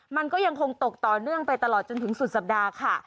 มันก็ยังคงตกต่อเนื่องไปตลอดจนถึงสุดสัปดาห์ค่ะ